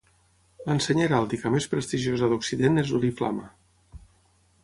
L'ensenya heràldica més prestigiosa d'Occident és l'oriflama.